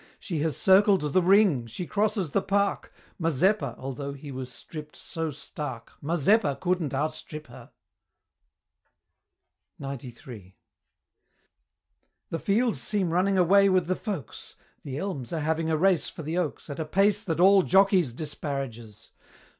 She has circled the Ring! she crosses the Park! Mazeppa, although he was stripp'd so stark, Mazeppa couldn't outstrip her! XCIII. The fields seem running away with the folks! The Elms are having a race for the Oaks At a pace that all Jockeys disparages!